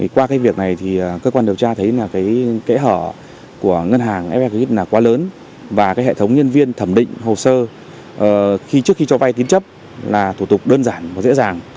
qua việc này cơ quan điều tra thấy kế hở của ngân hàng ffgip quá lớn và hệ thống nhân viên thẩm định hồ sơ trước khi cho vay tiến chấp là thủ tục đơn giản và dễ dàng